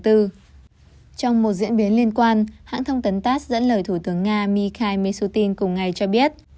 trong một diễn biến liên quan hãng thông tấn tass dẫn lời thủ tướng nga mikhail mishutin cùng ngày cho biết